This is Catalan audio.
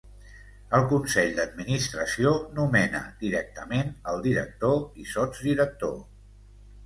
El consell d'administració nomena directament el director i sotsdirector.